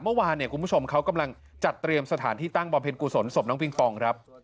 เมื่อวานเนี่ยคุณผู้ชมเขากำลังจัดเตรียมสถานที่ตั้งบำเพ็ญกุศลศพน้องปิงปองครับ